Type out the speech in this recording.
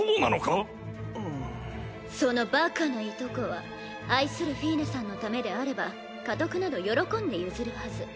そのバカないとこは愛するフィーネさんのためであれば家督など喜んで譲るはず。